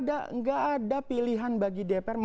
tidak ada pilihan bagi dpr